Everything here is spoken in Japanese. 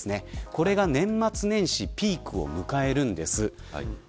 これが年末年始ピークを迎えます。